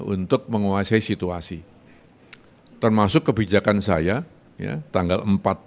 untuk menguasai situasi termasuk kebijakan saya ya tanggal empat